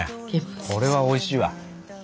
これはおいしいわ。